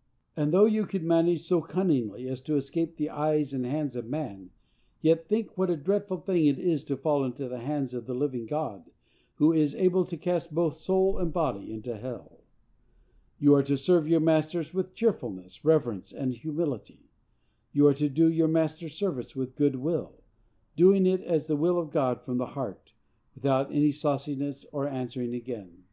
_ And though you could manage so cunningly as to escape the eyes and hands of man, yet think what a dreadful thing it is to fall into the hands of the living God, who is able to cast both soul and body into hell! _You are to serve your masters with cheerfulness, reverence, and humility. You are to do your masters' service with good will, doing it as the will of God from the heart, without any sauciness or answering again.